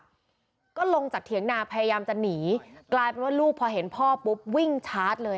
แล้วก็ลงจากเถียงนาพยายามจะหนีกลายเป็นว่าลูกพอเห็นพ่อปุ๊บวิ่งชาร์จเลย